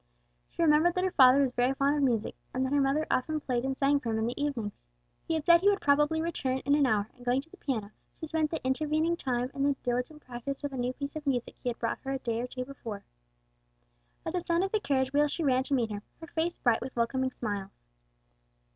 She remembered that her father was very fond of music and that her mother often played and sang for him in the evenings. He had said he would probably return in an hour, and going to the piano she spent the intervening time in the diligent practice of a new piece of music he had brought her a day or two before. At sound of the carriage wheels she ran to meet him, her face bright with welcoming smiles.